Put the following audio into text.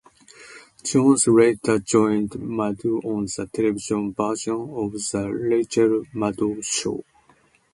Jones later joined Maddow on the television version of "The Rachel Maddow Show".